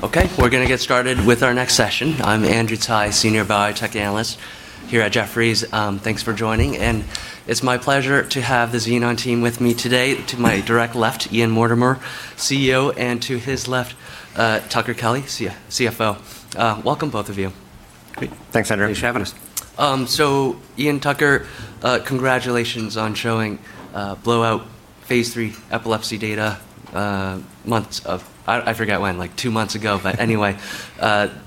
Okay, we're going to get started with our next session. I'm Andrew Tsai, Senior Biotech Analyst here at Jefferies. Thanks for joining. It's my pleasure to have the Xenon team with me today. To my direct left, Ian Mortimer, CEO, and to his left, Tucker Kelly, CFO. Welcome, both of you. Great. Thanks, Andrew, for having us. Thanks for having us. Ian, Tucker, congratulations on showing blowout phase III epilepsy data, I forget when, like two months ago. Anyway,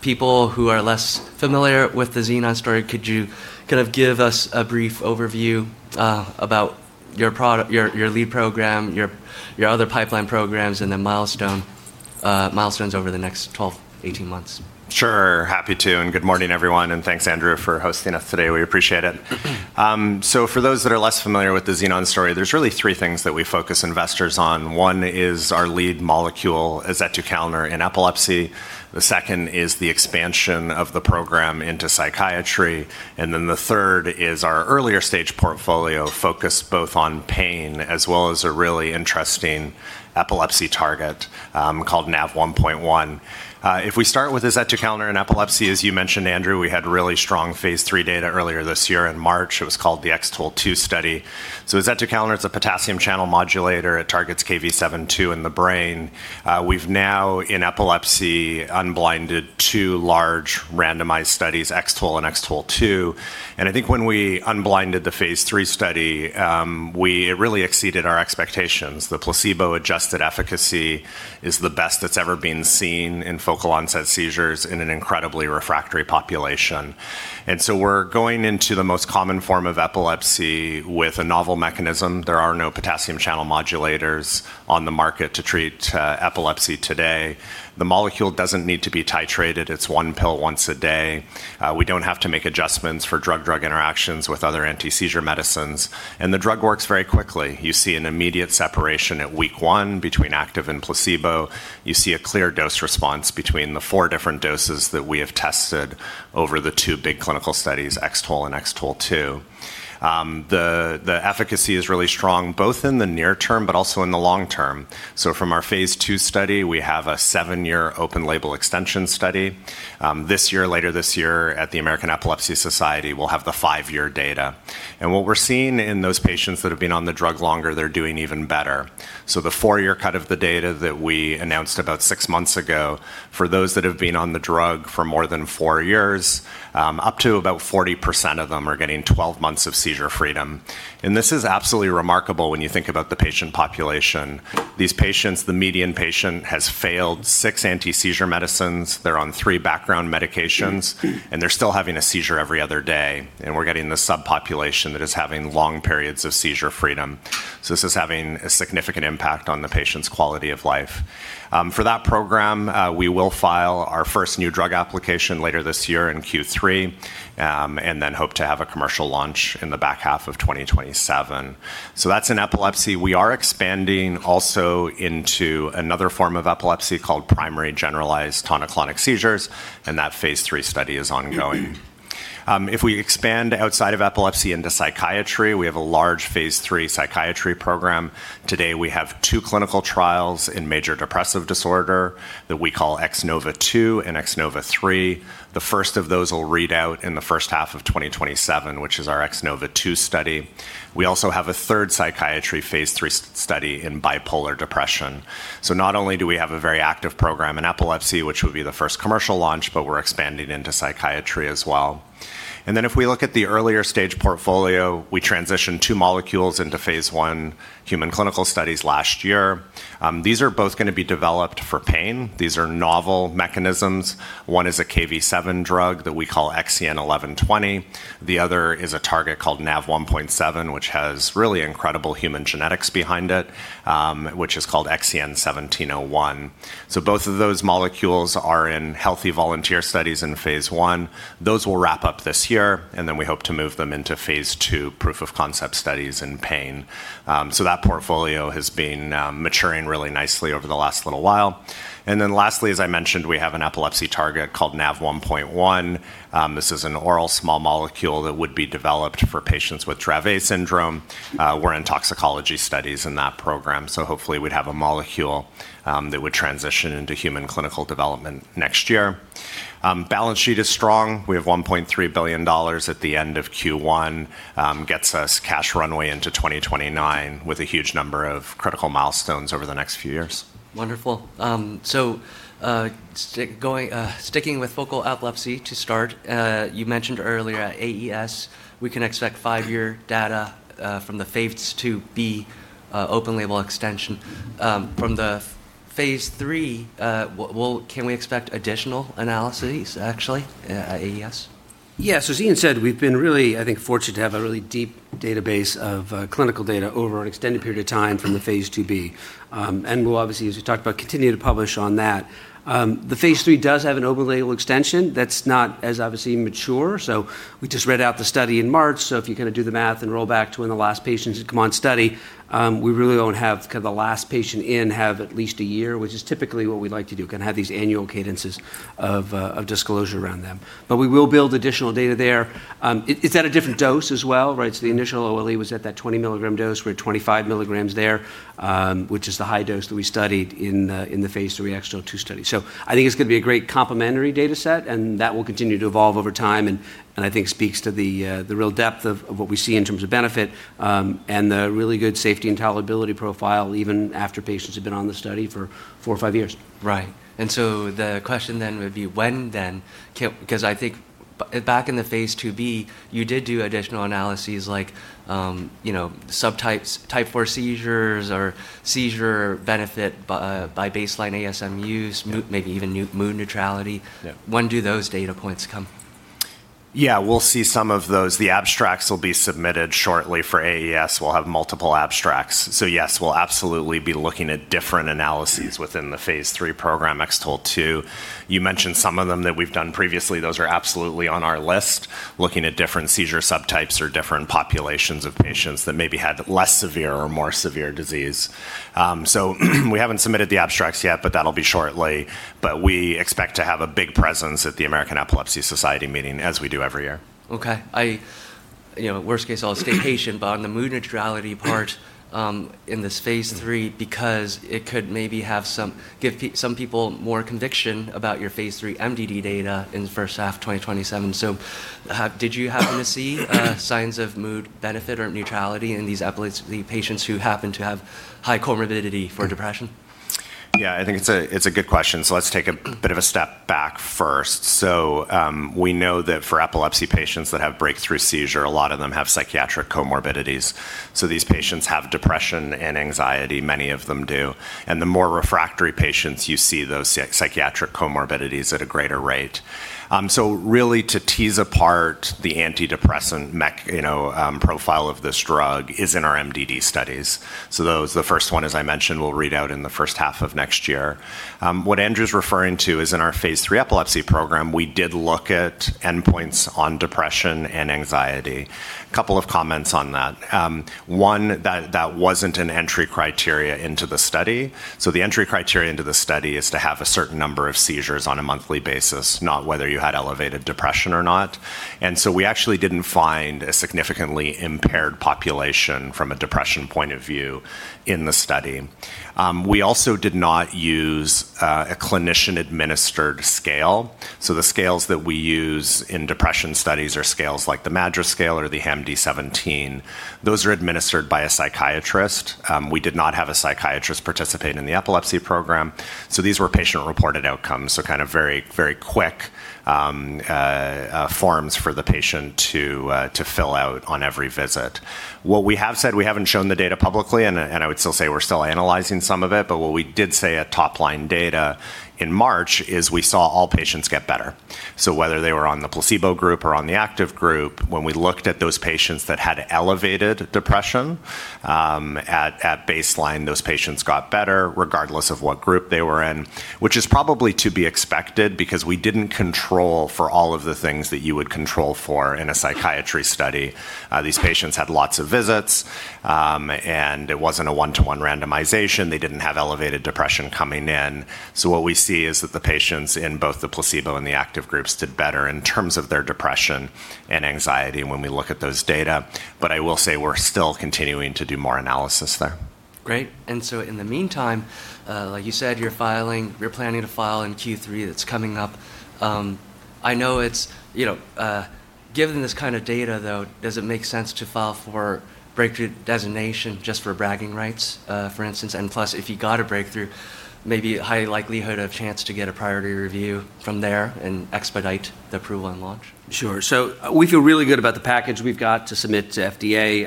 people who are less familiar with the Xenon story, could you give us a brief overview about your lead program, your other pipeline programs, and the milestones over the next 12, 18 months? Sure. Happy to, good morning, everyone, thanks, Andrew, for hosting us today. We appreciate it. For those that are less familiar with the Xenon story, there's really three things that we focus investors on. One is our lead molecule, azetukalner, in epilepsy. The second is the expansion of the program into psychiatry, the third is our earlier stage portfolio focused both on pain as well as a really interesting epilepsy target called NaV1.1. If we start with azetukalner in epilepsy, as you mentioned, Andrew, we had really strong phase III data earlier this year in March. It was called the X-TOLE2 study. Azetukalner is a potassium channel modulator. It targets Kv7.2 in the brain. We've now, in epilepsy, unblinded two large randomized studies, X-TOLE and X-TOLE2, I think when we unblinded the phase III study, we really exceeded our expectations. The placebo-adjusted efficacy is the best that's ever been seen in focal onset seizures in an incredibly refractory population. We're going into the most common form of epilepsy with a novel mechanism. There are no potassium channel modulators on the market to treat epilepsy today. The molecule doesn't need to be titrated. It's one pill once a day. We don't have to make adjustments for drug-drug interactions with other anti-seizure medicines, and the drug works very quickly. You see an immediate separation at week one between active and placebo. You see a clear dose response between the four different doses that we have tested over the two big clinical studies, X-TOLE and X-TOLE2. The efficacy is really strong, both in the near term, but also in the long term. From our phase II study, we have a seven-year open label extension study. Later this year at the American Epilepsy Society, we'll have the five-year data. What we're seeing in those patients that have been on the drug longer, they're doing even better. The four-year cut of the data that we announced about six months ago, for those that have been on the drug for more than four years, up to about 40% of them are getting 12 months of seizure freedom. This is absolutely remarkable when you think about the patient population. These patients, the median patient, has failed six anti-seizure medicines. They're on three background medications, and they're still having a seizure every other day. We're getting the subpopulation that is having long periods of seizure freedom. This is having a significant impact on the patient's quality of life. For that program, we will file our first new drug application later this year in Q3 and then hope to have a commercial launch in the back half of 2027. That's in epilepsy. We are expanding also into another form of epilepsy called primary generalized tonic-clonic seizures, and that phase III study is ongoing. If we expand outside of epilepsy into psychiatry, we have a large phase III psychiatry program. Today, we have two clinical trials in major depressive disorder that we call X-NOVA2 and X-NOVA3. The first of those will read out in the first half of 2027, which is our X-NOVA2 study. We also have a third psychiatry phase III study in bipolar depression. Not only do we have a very active program in epilepsy, which will be the first commercial launch, but we're expanding into psychiatry as well. If we look at the earlier stage portfolio, we transitioned two molecules into phase I human clinical studies last year. These are both going to be developed for pain. These are novel mechanisms. One is a Kv7 drug that we call XEN1120. The other is a target called NaV1.7, which has really incredible human genetics behind it, which is called XEN1701. Both of those molecules are in healthy volunteer studies in phase I. Those will wrap up this year, and then we hope to move them into phase II proof-of-concept studies in pain. That portfolio has been maturing really nicely over the last little while. Lastly, as I mentioned, we have an epilepsy target called NaV1.1. This is an oral small molecule that would be developed for patients with Dravet syndrome. We're in toxicology studies in that program. Hopefully we'd have a molecule that would transition into human clinical development next year. Balance sheet is strong. We have $1.3 billion at the end of Q1. Gets us cash runway into 2029 with a huge number of critical milestones over the next few years. Wonderful. Sticking with focal epilepsy to start, you mentioned earlier at AES, we can expect five-year data from the phase IIb open label extension. From the phase III, can we expect additional analyses, actually, at AES? Yeah. As Ian said, we've been really, I think, fortunate to have a really deep database of clinical data over an extended period of time from the phase IIb. We'll obviously, as we talked about, continue to publish on that. The phase III does have an open label extension that's not as obviously mature. We just read out the study in March, so if you do the math and roll back to when the last patients come on study, we really don't have the last patient in have at least a year, which is typically what we'd like to do, have these annual cadences of disclosure around them. We will build additional data there. It's at a different dose as well, right? The initial OLE was at that 20 mg dose. We're at 25 mg there, which is the high dose that we studied in the phase III X-TOLE2 study. I think it's going to be a great complementary data set, and that will continue to evolve over time, and I think speaks to the real depth of what we see in terms of benefit, and the really good safety and tolerability profile, even after patients have been on the study for four or five years. Right. The question then would be when, then? Back in the phase IIb, you did do additional analyses like subtypes, type 4 seizures, or seizure benefit by baseline ASM use. Yeah maybe even mood neutrality. Yeah. When do those data points come? Yeah. We'll see some of those. The abstracts will be submitted shortly for AES. We'll have multiple abstracts. Yes, we'll absolutely be looking at different analyses within the phase III program, X-TOLE2. You mentioned some of them that we've done previously. Those are absolutely on our list, looking at different seizure subtypes or different populations of patients that maybe had less severe or more severe disease. We haven't submitted the abstracts yet. That'll be shortly. We expect to have a big presence at the American Epilepsy Society meeting as we do every year. Okay. Worst case, I'll stay patient. On the mood neutrality part in this phase III, because it could maybe give some people more conviction about your phase III MDD data in the first half of 2027. Did you happen to see signs of mood benefit or neutrality in the patients who happen to have high comorbidity for depression? Yeah, I think it's a good question. Let's take a bit of a step back first. We know that for epilepsy patients that have breakthrough seizure, a lot of them have psychiatric comorbidities. These patients have depression and anxiety, many of them do. The more refractory patients, you see those psychiatric comorbidities at a greater rate. Really to tease apart the antidepressant profile of this drug is in our MDD studies. Those, the first one, as I mentioned, we'll read out in the first half of next year. What Andrew's referring to is in our phase III epilepsy program, we did look at endpoints on depression and anxiety. Couple of comments on that. One, that wasn't an entry criteria into the study. The entry criteria into the study is to have a certain number of seizures on a monthly basis, not whether you had elevated depression or not. We actually didn't find a significantly impaired population from a depression point of view in the study. We also did not use a clinician-administered scale. The scales that we use in depression studies are scales like the MADRS scale or the HAM-D17. Those are administered by a psychiatrist. We did not have a psychiatrist participate in the epilepsy program, so these were patient-reported outcomes, so very quick forms for the patient to fill out on every visit. What we have said, we haven't shown the data publicly, and I would still say we're still analyzing some of it, but what we did say at top-line data in March is we saw all patients get better. Whether they were on the placebo group or on the active group, when we looked at those patients that had elevated depression at baseline, those patients got better regardless of what group they were in. Which is probably to be expected because we didn't control for all of the things that you would control for in a psychiatry study. These patients had lots of visits, and it wasn't a one-to-one randomization. They didn't have elevated depression coming in. What we see is that the patients in both the placebo and the active groups did better in terms of their depression and anxiety when we look at those data. I will say we're still continuing to do more analysis there. Great. In the meantime, like you said, you're planning to file in Q3. That's coming up. Given this kind of data, though, does it make sense to file for breakthrough designation just for bragging rights, for instance? Plus, if you got a breakthrough, maybe a high likelihood or chance to get a priority review from there and expedite the approval and launch. Sure. We feel really good about the package we've got to submit to FDA.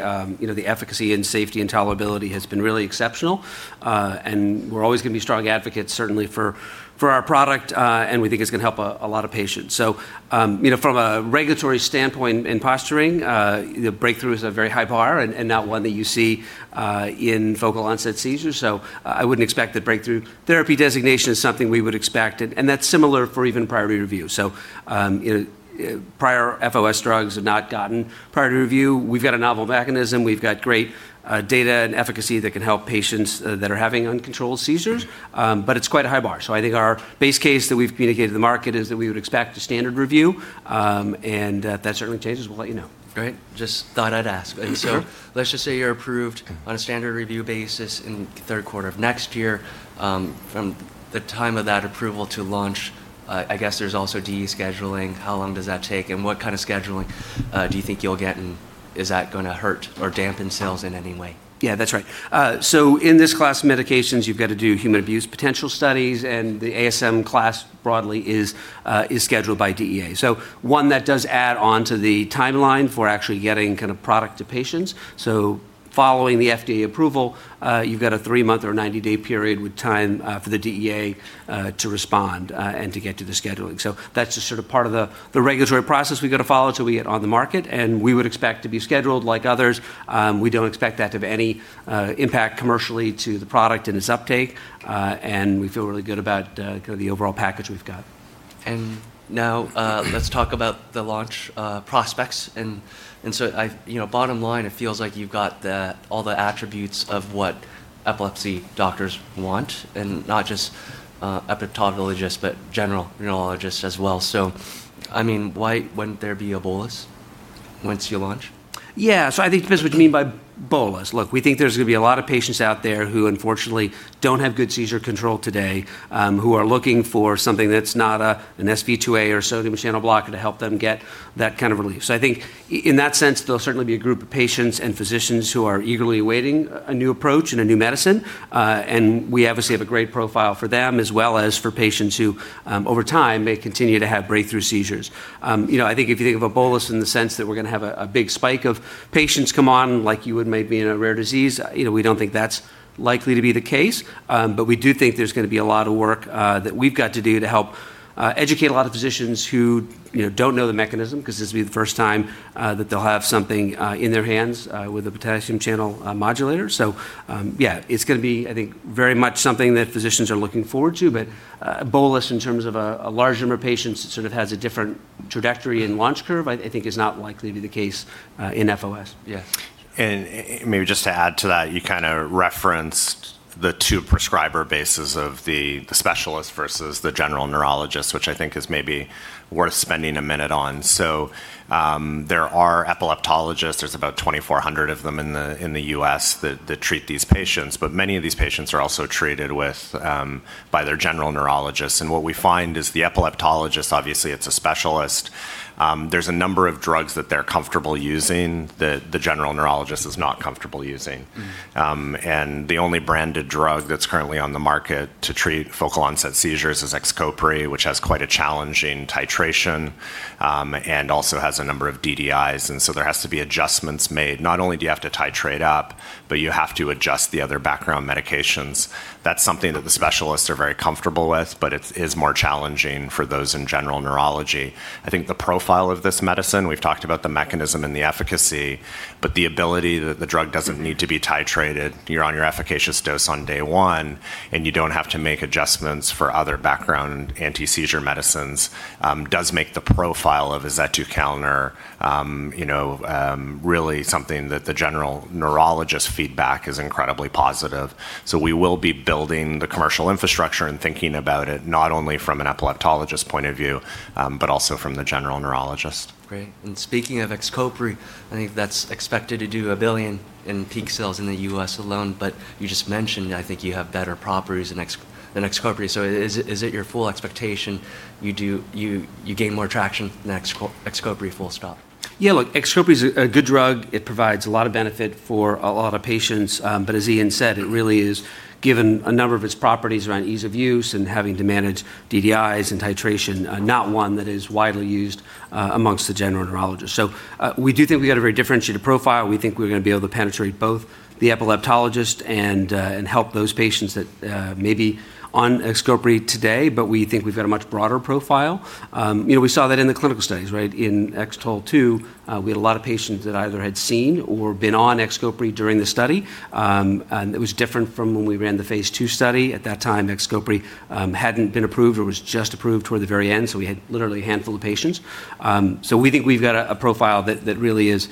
The efficacy and safety and tolerability has been really exceptional. We're always going to be strong advocates, certainly, for our product, and we think it's going to help a lot of patients. From a regulatory standpoint in posturing, the breakthrough is a very high bar and not one that you see in focal onset seizures, I wouldn't expect the breakthrough. Therapy designation is something we would expect, and that's similar for even priority review. Prior FOS drugs have not gotten priority review. We've got a novel mechanism. We've got great data and efficacy that can help patients that are having uncontrolled seizures. It's quite a high bar. I think our base case that we've communicated to the market is that we would expect a standard review, and if that certainly changes, we'll let you know. Great. Just thought I'd ask. Let's just say you're approved on a standard review basis in the third quarter of next year. From the time of that approval to launch, I guess there's also DEA scheduling. How long does that take, and what kind of scheduling do you think you'll get, and is that going to hurt or dampen sales in any way? Yeah, that's right. In this class of medications, you've got to do human abuse potential studies, and the ASM class broadly is scheduled by DEA. One that does add onto the timeline for actually getting product to patients. Following the FDA approval, you've got a three-month or 90-day period with time for the DEA to respond and to get to the scheduling. That's just part of the regulatory process we've got to follow till we get on the market, and we would expect to be scheduled like others. We don't expect that to have any impact commercially to the product and its uptake. We feel really good about the overall package we've got. Now let's talk about the launch prospects. Bottom line, it feels like you've got all the attributes of what epilepsy doctors want, and not just epileptologists, but general neurologists as well. Why wouldn't there be a bolus? Once you launch? I think it depends what you mean by bolus. Look, we think there's going to be a lot of patients out there who unfortunately don't have good seizure control today, who are looking for something that's not an SV2A or a sodium channel blocker to help them get that kind of relief. I think in that sense, there'll certainly be a group of patients and physicians who are eagerly awaiting a new approach and a new medicine. We obviously have a great profile for them, as well as for patients who over time may continue to have breakthrough seizures. I think if you think of a bolus in the sense that we're going to have a big spike of patients come on, like you would maybe in a rare disease, we don't think that's likely to be the case. We do think there's going to be a lot of work that we've got to do to help educate a lot of physicians who don't know the mechanism, because this will be the first time that they'll have something in their hands with a potassium channel modulator. Yeah, it's going to be, I think, very much something that physicians are looking forward to. Bolus, in terms of a large number of patients, has a different trajectory and launch curve, I think is not likely to be the case in FOS. Yeah. Maybe just to add to that, you referenced the two prescriber bases of the specialist versus the general neurologist, which I think is maybe worth spending a minute on. There are epileptologists, there's about 2,400 of them in the U.S. that treat these patients. Many of these patients are also treated by their general neurologist. What we find is the epileptologist, obviously it's a specialist, there's a number of drugs that they're comfortable using, that the general neurologist is not comfortable using. The only branded drug that's currently on the market to treat focal onset seizures is XCOPRI, which has quite a challenging titration, and also has a number of DDIs, and so there has to be adjustments made. Not only do you have to titrate up, but you have to adjust the other background medications. That's something that the specialists are very comfortable with, but it is more challenging for those in general neurology. I think the profile of this medicine, we've talked about the mechanism and the efficacy, but the ability that the drug doesn't need to be titrated, you're on your efficacious dose on day one and you don't have to make adjustments for other background anti-seizure medicines, does make the profile of azetukalner really something that the general neurologist feedback is incredibly positive. We will be building the commercial infrastructure and thinking about it not only from an epileptologist point of view, but also from the general neurologist. Great. Speaking of XCOPRI, I think that's expected to do $1 billion in peak sales in the U.S. alone, you just mentioned, I think you have better properties than XCOPRI. Is it your full expectation you gain more traction than XCOPRI full stop? Yeah, look, XCOPRI is a good drug. It provides a lot of benefit for a lot of patients. As Ian said, it really is, given a number of its properties around ease of use and having to manage DDIs and titration, not one that is widely used amongst the general neurologists. We do think we've got a very differentiated profile. We think we're going to be able to penetrate both the epileptologist and help those patients that may be on XCOPRI today, but we think we've got a much broader profile. We saw that in the clinical studies, right? In X-TOLE2, we had a lot of patients that either had seen or been on XCOPRI during the study. It was different from when we ran the phase II study. At that time, XCOPRI hadn't been approved or was just approved toward the very end. We had literally a handful of patients. We think we've got a profile that really is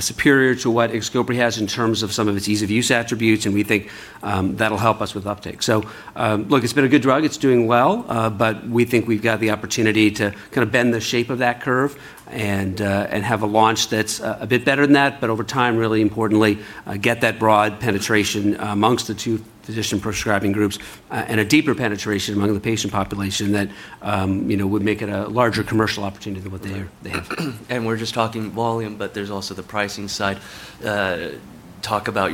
superior to what XCOPRI has in terms of some of its ease of use attributes, and we think that'll help us with uptake. Look, it's been a good drug, it's doing well. We think we've got the opportunity to bend the shape of that curve and have a launch that's a bit better than that, but over time, really importantly, get that broad penetration amongst the two physician prescribing groups and a deeper penetration among the patient population that would make it a larger commercial opportunity than what they have. We're just talking volume, but there's also the pricing side. Talk about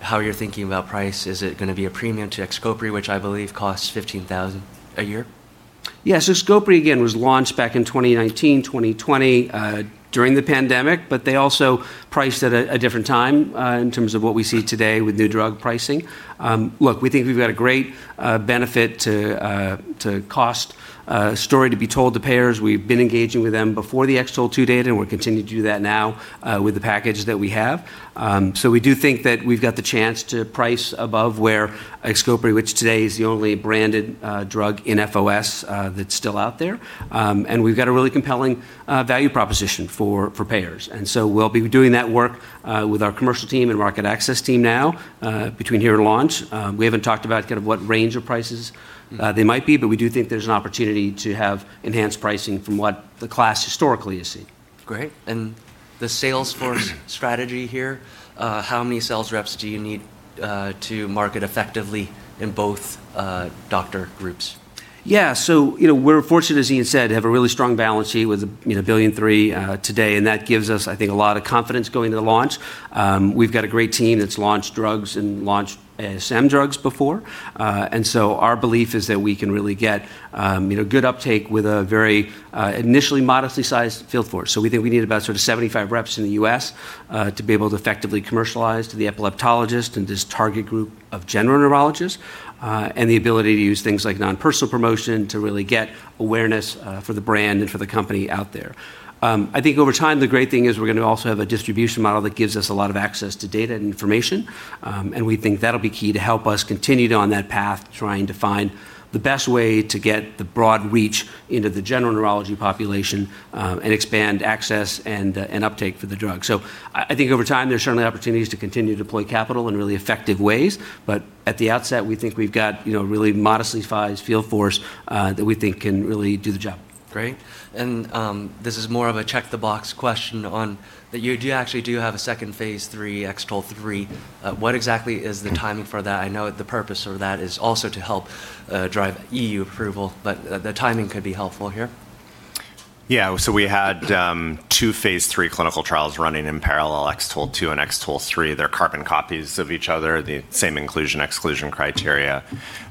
how you're thinking about price. Is it going to be a premium to XCOPRI, which I believe costs $15,000 a year? Yeah. XCOPRI, again, was launched back in 2019, 2020, during the pandemic, but they also priced at a different time in terms of what we see today with new drug pricing. Look, we think we've got a great benefit-to-cost story to be told to payers. We've been engaging with them before the X-TOLE2 data, and we'll continue to do that now with the package that we have. We do think that we've got the chance to price above where XCOPRI, which today is the only branded drug in FOS that's still out there. We've got a really compelling value proposition for payers. We'll be doing that work with our commercial team and market access team now between here and launch. We haven't talked about what range of prices they might be. We do think there's an opportunity to have enhanced pricing from what the class historically has seen. Great. The sales force strategy here, how many sales reps do you need to market effectively in both doctor groups? We're fortunate, as Ian said, to have a really strong balance sheet with $1.3 billion today, and that gives us, I think, a lot of confidence going to the launch. We've got a great team that's launched drugs and launched SM drugs before. Our belief is that we can really get good uptake with a very initially modestly sized field force. We think we need about 75 reps in the U.S. to be able to effectively commercialize to the epileptologist and this target group of general neurologists, and the ability to use things like non-personal promotion to really get awareness for the brand and for the company out there. I think over time, the great thing is we're going to also have a distribution model that gives us a lot of access to data and information. We think that'll be key to help us continue on that path, trying to find the best way to get the broad reach into the general neurology population, and expand access and uptake for the drug. I think over time, there's certainly opportunities to continue to deploy capital in really effective ways. At the outset, we think we've got a really modestly sized field force that we think can really do the job. Great. This is more of a check-the-box question on, do you actually have a second phase III, X-TOLE3? What exactly is the timing for that? I know the purpose of that is also to help drive EU approval, but the timing could be helpful here. Yeah. We had two phase III clinical trials running in parallel, X-TOLE2 and X-TOLE3. They're carbon copies of each other, the same inclusion/exclusion criteria.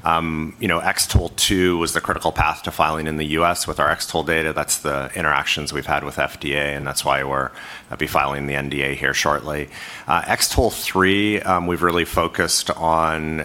X-TOLE2 was the critical path to filing in the U.S. with our X-TOLE data. That's the interactions we've had with FDA, and that's why we'll be filing the NDA here shortly. X-TOLE3, we've really focused on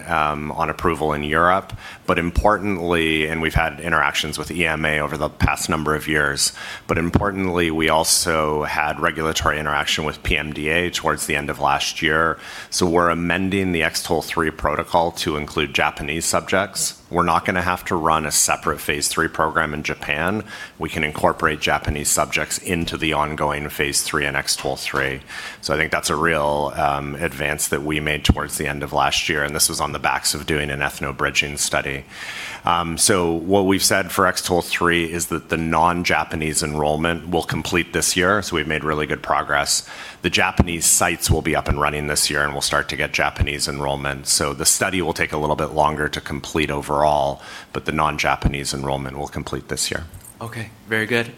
approval in Europe, and we've had interactions with EMA over the past number of years. Importantly, we also had regulatory interaction with PMDA towards the end of last year. We're amending the X-TOLE3 protocol to include Japanese subjects. We're not going to have to run a separate phase III program in Japan. We can incorporate Japanese subjects into the ongoing phase III and X-TOLE3. I think that's a real advance that we made towards the end of last year, and this was on the backs of doing an ethno-bridging study. What we've said for X-TOLE3 is that the non-Japanese enrollment will complete this year. We've made really good progress. The Japanese sites will be up and running this year, and we'll start to get Japanese enrollment. The study will take a little bit longer to complete overall, but the non-Japanese enrollment will complete this year. Okay. Very good.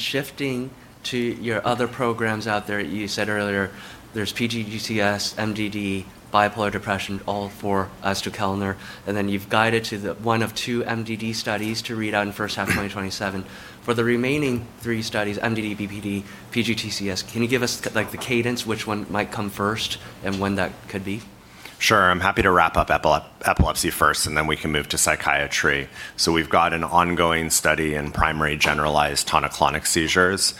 Shifting to your other programs out there, you said earlier there's PGTCS, MDD, bipolar depression, all for esketamine. You've guided to the one of two MDD studies to read out in the first half of 2027. For the remaining three studies, MDD, BPD, PGTCS, can you give us the cadence, which one might come first, and when that could be? Sure. I'm happy to wrap up epilepsy first, then we can move to psychiatry. We've got an ongoing study in primary generalized tonic-clonic seizures.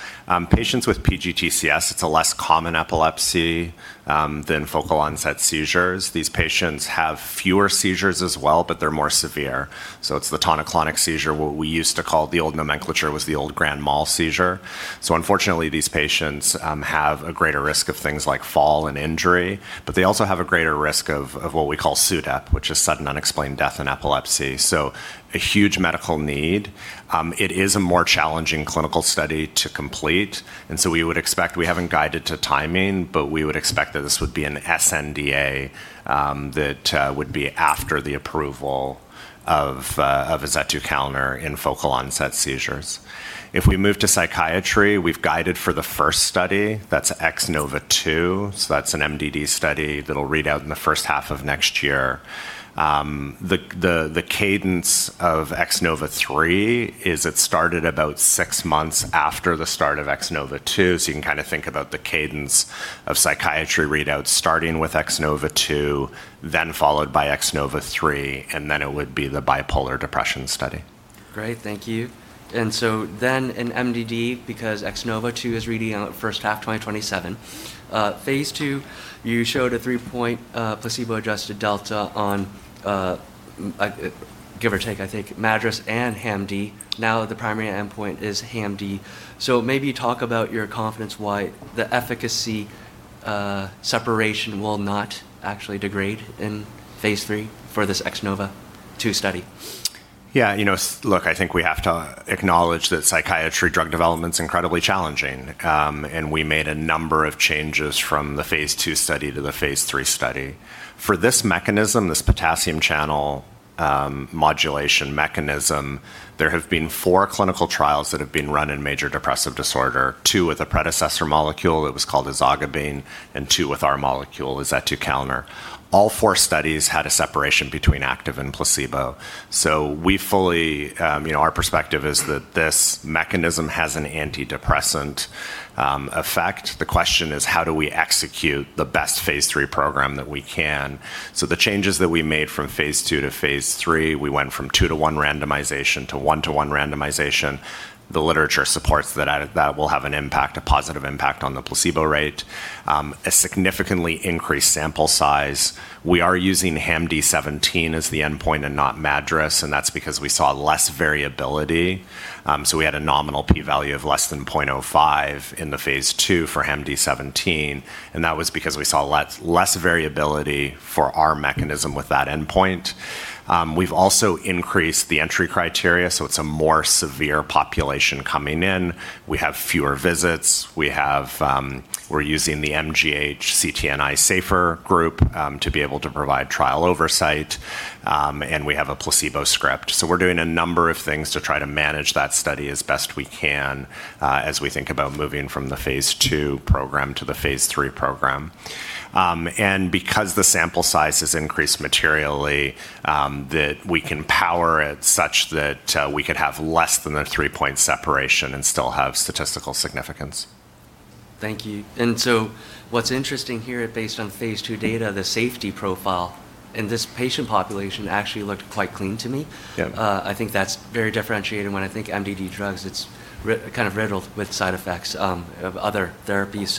Patients with PGTCS, it's a less common epilepsy than focal-onset seizures. These patients have fewer seizures as well, but they're more severe. It's the tonic-clonic seizure, what we used to call the old nomenclature was the old grand mal seizure. Unfortunately, these patients have a greater risk of things like fall and injury, but they also have a greater risk of what we call SUDEP, which is sudden unexplained death in epilepsy. A huge medical need. It is a more challenging clinical study to complete, we haven't guided to timing, we would expect that this would be an sNDA that would be after the approval of azetukalner in focal-onset seizures. If we move to psychiatry, we've guided for the first study, that's X-NOVA2. That's an MDD study that'll read out in the first half of next year. The cadence of X-NOVA3 is it started about six months after the start of X-NOVA2. You can think about the cadence of psychiatry readouts, starting with X-NOVA2, then followed by X-NOVA3, and then it would be the bipolar depression study. Great. Thank you. In MDD, because X-NOVA2 is reading out first half 2027. phase II, you showed a three-point placebo-adjusted delta on, give or take, I think MADRS and HAM-D. Now the primary endpoint is HAM-D. Maybe talk about your confidence, why the efficacy separation will not actually degrade in phase III for this X-NOVA2 study. Yeah. Look, I think we have to acknowledge that psychiatry drug development's incredibly challenging. We made a number of changes from the phase II study to the phase III study. For this mechanism, this potassium channel modulation mechanism, there have been four clinical trials that have been run in major depressive disorder, two with a predecessor molecule that was called [esketamine], and two with our molecule, Azetukalner. All four studies had a separation between active and placebo. Our perspective is that this mechanism has an antidepressant effect. The question is how do we execute the best phase III program that we can? The changes that we made from phase II to phase III, we went from 2 to 1 randomization to 1 to 1 randomization. The literature supports that that will have an impact, a positive impact on the placebo rate. We had a significantly increased sample size. We are using HAM-D17 as the endpoint and not MADRS, and that's because we saw less variability. We had a nominal P value of less than 0.05 in the phase II for HAM-D17, and that was because we saw less variability for our mechanism with that endpoint. We've also increased the entry criteria, so it's a more severe population coming in. We have fewer visits. We're using the MGH CTNI SAFER group to be able to provide trial oversight. We have a placebo script. We're doing a number of things to try to manage that study as best we can as we think about moving from the phase II program to the phase III program. Because the sample size has increased materially, that we can power it such that we could have less than a three-point separation and still have statistical significance. Thank you. What's interesting here, based on phase II data, the safety profile in this patient population actually looked quite clean to me. Yeah. I think that's very differentiated. When I think MDD drugs, it's kind of riddled with side effects of other therapies.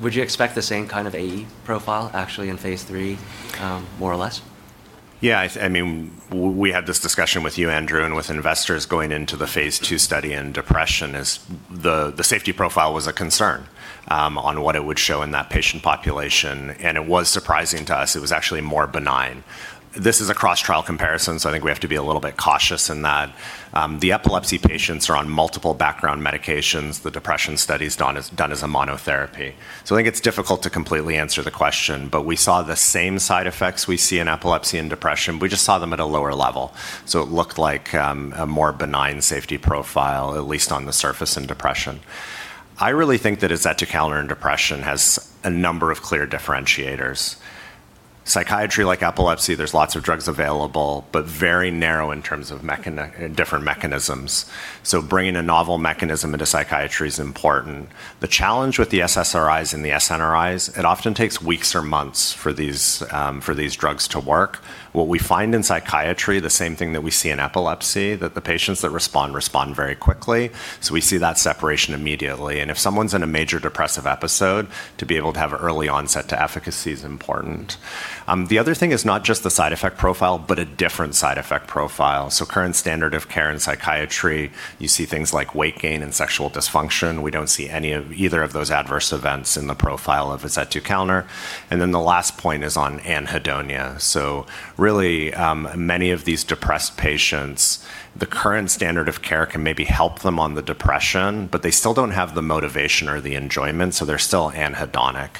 Would you expect the same kind of AE profile actually in phase III, more or less? Yeah. We had this discussion with you, Andrew, and with investors going into the phase II study, and depression, the safety profile was a concern on what it would show in that patient population, and it was surprising to us. It was actually more benign. This is a cross-trial comparison, I think we have to be a little bit cautious in that. The epilepsy patients are on multiple background medications. The depression study's done as a monotherapy. I think it's difficult to completely answer the question, but we saw the same side effects we see in epilepsy and depression. We just saw them at a lower level. It looked like a more benign safety profile, at least on the surface, in depression. I really think that azetukalner in depression has a number of clear differentiators. Psychiatry, like epilepsy, there's lots of drugs available, but very narrow in terms of different mechanisms. Bringing a novel mechanism into psychiatry is important. The challenge with the SSRIs and the SNRIs, it often takes weeks or months for these drugs to work. What we find in psychiatry, the same thing that we see in epilepsy, that the patients that respond very quickly. We see that separation immediately. If someone's in a major depressive episode, to be able to have early onset to efficacy is important. The other thing is not just the side effect profile, but a different side effect profile. Current standard of care in psychiatry, you see things like weight gain and sexual dysfunction. We don't see either of those adverse events in the profile of azetukalner. Then the last point is on anhedonia. Really, many of these depressed patients, the current standard of care can maybe help them on the depression, but they still don't have the motivation or the enjoyment, so they're still anhedonic.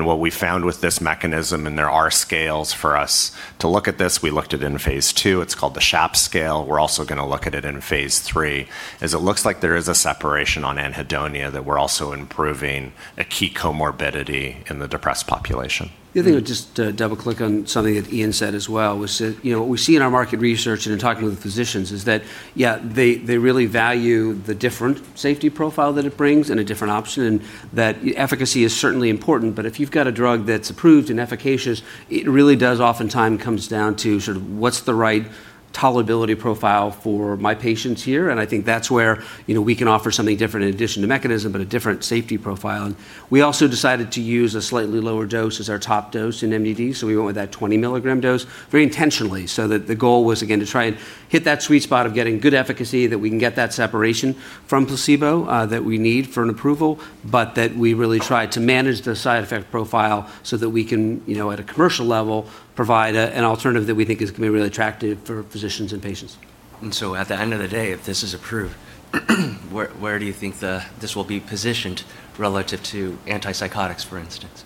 What we found with this mechanism, and there are scales for us to look at this, we looked at it in phase II, it's called the SHAPS scale. We're also going to look at it in phase III, is it looks like there is a separation on anhedonia, that we're also improving a key comorbidity in the depressed population. The other thing, just to double-click on something that Ian said as well, was that what we see in our market research and in talking with physicians is that, yeah, they really value the different safety profile that it brings and a different option, and that efficacy is certainly important, but if you've got a drug that's approved and efficacious, it really does oftentimes comes down to sort of what's the right tolerability profile for my patients here, and I think that's where we can offer something different in addition to mechanism, but a different safety profile. We also decided to use a slightly lower dose as our top dose in MDD. We went with that 20 mg dose very intentionally. The goal was, again, to try and hit that sweet spot of getting good efficacy, that we can get that separation from placebo that we need for an approval. We really try to manage the side effect profile so that we can, at a commercial level, provide an alternative that we think is going to be really attractive for physicians and patients. At the end of the day, if this is approved, where do you think this will be positioned relative to antipsychotics, for instance?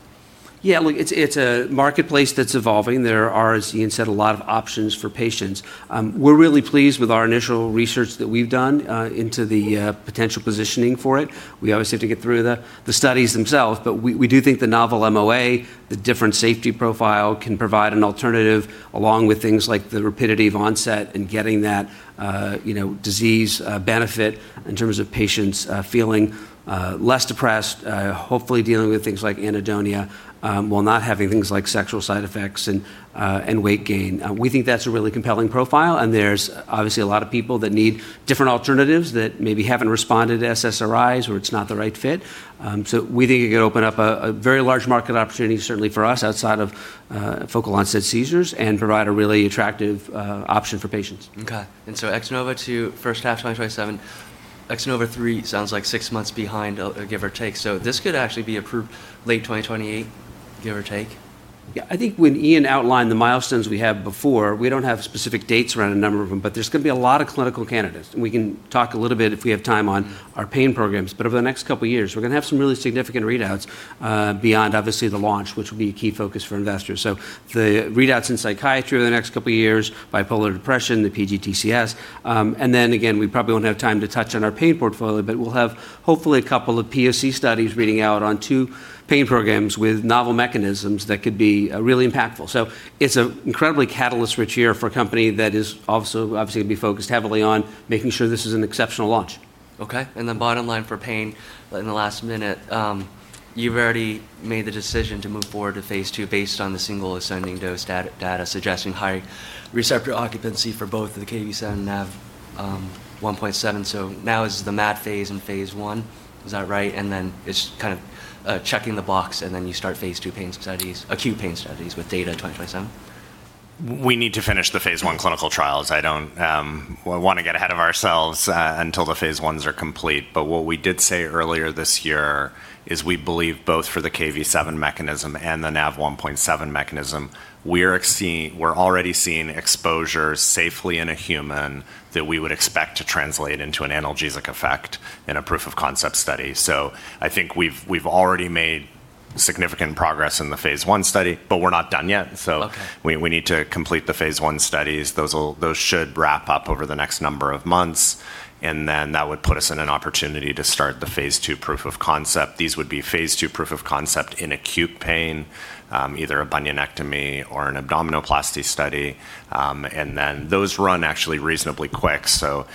Yeah, look, it's a marketplace that's evolving. There are, as Ian said, a lot of options for patients. We're really pleased with our initial research that we've done into the potential positioning for it. We obviously have to get through the studies themselves, but we do think the novel MOA, the different safety profile can provide an alternative along with things like the rapidity of onset and getting that disease benefit in terms of patients feeling less depressed, hopefully dealing with things like anhedonia, while not having things like sexual side effects and weight gain. We think that's a really compelling profile, and there's obviously a lot of people that need different alternatives that maybe haven't responded to SSRIs, or it's not the right fit. We think it could open up a very large market opportunity, certainly for us, outside of focal onset seizures, and provide a really attractive option for patients. Okay. X-NOVA2, first half 2027. X-NOVA3 sounds like six months behind, give or take. This could actually be approved late 2028, give or take? Yeah. I think when Ian outlined the milestones we have before, we don't have specific dates around a number of them, but there's going to be a lot of clinical candidates. We can talk a little bit, if we have time, on our pain programs. Over the next couple of years, we're going to have some really significant readouts, beyond obviously the launch, which will be a key focus for investors. The readouts in psychiatry over the next couple of years, bipolar depression, the PGTCS, and then again, we probably won't have time to touch on our pain portfolio, but we'll have hopefully a couple of POC studies reading out on 2 pain programs with novel mechanisms that could be really impactful. It's an incredibly catalyst-rich year for a company that is also obviously going to be focused heavily on making sure this is an exceptional launch. Okay. Bottom line for pain, in the last minute, you've already made the decision to move forward to phase II based on the single ascending dose data suggesting high receptor occupancy for both the Kv7 and NaV1.7. Now is the MAD phase in phase I? Is that right? It's kind of checking the box, and then you start phase II pain studies, acute pain studies with data in 2027? We need to finish the phase I clinical trials. I don't want to get ahead of ourselves until the phase Is are complete. What we did say earlier this year is we believe both for the Kv7 mechanism and the NaV1.7 mechanism, we're already seeing exposure safely in a human that we would expect to translate into an analgesic effect in a proof of concept study. I think we've already made significant progress in the phase I study, but we're not done yet. Okay We need to complete the phase I studies. Those should wrap up over the next number of months. That would put us in an opportunity to start the phase II proof of concept. These would be phase II proof of concept in acute pain, either a bunionectomy or an abdominoplasty study. Those run actually reasonably quick. To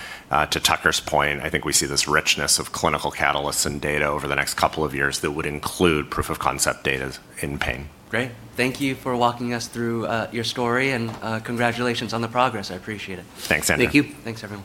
Tucker's point, I think we see this richness of clinical catalysts and data over the next couple of years that would include proof of concept data in pain. Great. Thank you for walking us through your story and congratulations on the progress. I appreciate it. Thanks, Andrew. Thank you. Thanks, everyone.